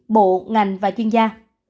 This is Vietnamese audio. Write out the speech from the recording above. bộ ngành và chuyên gia